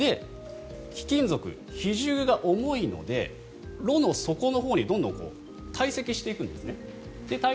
貴金属、比重が重いので炉の底のほうにどんどんたい積していくんですね。